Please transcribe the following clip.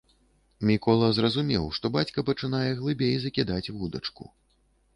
Мікола зразумеў, што бацька пачынае глыбей закідаць вудачку.